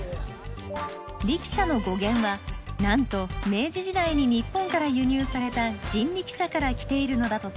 リキシャの語源はなんと明治時代に日本から輸入された「人力車」からきているのだとか。